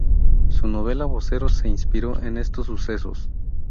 Su novela Vocero se inspiró en estos sucesos.